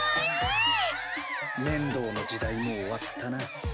面堂の時代も終わったな。